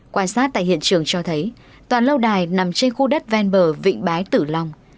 quan sát tại hiện trường cho thấy toàn lâu đài nằm trên khu đất ven bờ vịnh bái tử long